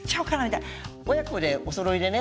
親子でおそろいでね